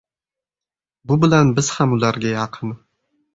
Bu bilan biz ham ularga yaqin